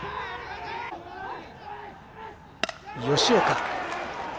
吉岡。